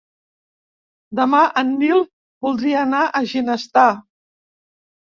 Demà en Nil voldria anar a Ginestar.